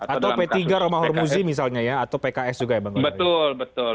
atau p tiga romah hormuzi misalnya ya atau pks juga ya bang